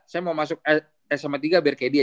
saya mau masuk sma tiga biar kayak dia